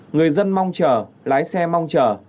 người dân mong chờ lái xe mong chờ